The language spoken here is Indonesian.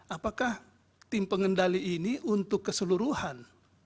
apakah tim pengendali ini untuk keseluruhan